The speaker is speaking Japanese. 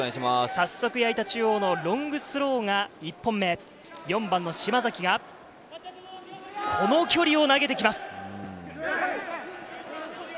早速、矢板中央のロングスローが１本目、４番の島崎がこの距離を投げてきます。